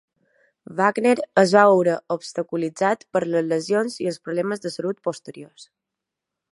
Wagner es va veure obstaculitzat per les lesions i els problemes de salut posteriors.